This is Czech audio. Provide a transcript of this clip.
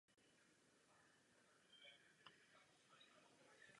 Provoz divadla se podařilo udržet i po pádu Benátské republiky a následné francouzské okupaci.